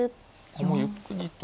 もうゆっくりと。